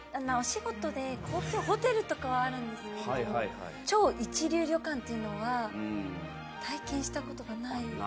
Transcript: お仕事で高級ホテルとかはあるんですけど、超一流旅館というのは体験したことがない。